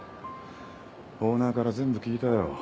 オーナーから全部聞いたよ。